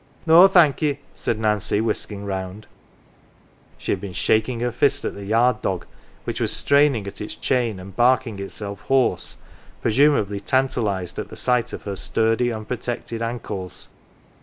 " No, thank ye," said Nancy, whisking round : she had been shaking her fist at the yard dog, which was straining at its chain and barking itself hoarse, presum ably tantalised at the sight of her sturdy unprotected ankles.